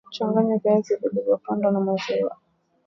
changanya viazi vilivyopondwa na maziwa